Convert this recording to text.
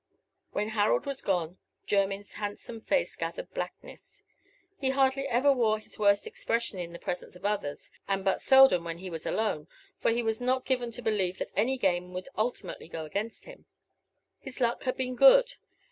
When Harold was gone, Jermyn's handsome face gathered blackness. He hardly ever wore his worst expression in the presence of others, and but seldom when he was alone, for he was not given to believe that any game would ultimately go against him. His luck had been good.